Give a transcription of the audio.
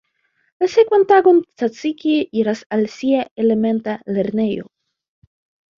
La sekvan tagon Tsatsiki iras al sia elementa lernejo.